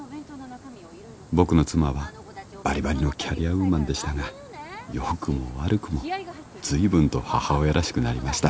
僕の妻はバリバリのキャリアウーマンでしたが良くも悪くもずいぶんと母親らしくなりました